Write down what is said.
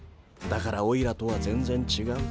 だからおいらとは全然違う。